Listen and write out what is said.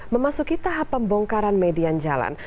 memasuki tahap pembongkaran median jalan